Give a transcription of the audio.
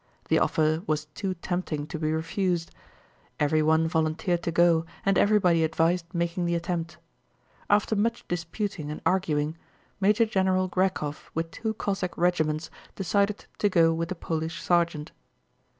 The offer was too tempting to be refused. Everyone volunteered to go and everybody advised making the attempt. After much disputing and arguing, Major General Grékov with two Cossack regiments decided to go with the Polish sergeant.